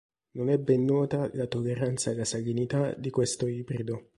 Non è ben nota la tolleranza alla salinità di questo ibrido.